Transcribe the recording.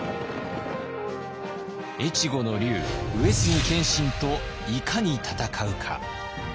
越後の龍上杉謙信といかに戦うか。